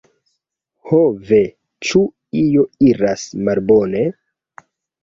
"ho ve, ĉu io iras malbone?"